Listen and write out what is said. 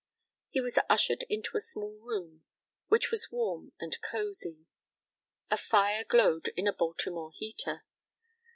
He was ushered into a small room, which was warm and cosy. A fire glowed in a Baltimore heater.